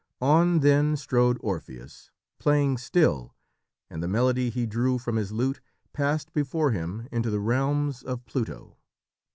On, then, strode Orpheus, playing still, and the melody he drew from his lute passed before him into the realms of Pluto.